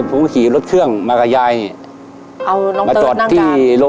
ผมก็ขี่รถเครื่องมากับยายเนี่ย